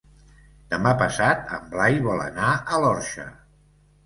Demà passat en Blai vol anar a l'Orxa.